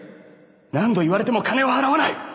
何度言われても金は払わない！